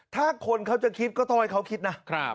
ถ้าคนเขาจะคิดก็ต้องให้เขาคิดนะ